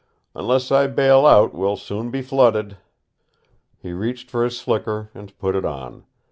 Unless I bail out, we'll soon be flooded." He reached for his slicker and put it on.